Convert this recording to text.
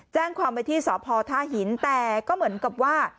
แจ้งความไปที่สพท่าหินแต่ก็เหมือนกับว่า